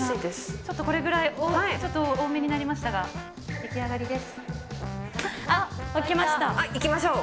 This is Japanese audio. ちょっとこれぐらい、ちょっと多めになりましたが、出来あがりです。